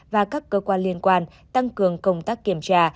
và các cơ quan liên quan tăng cường công tác kiểm tra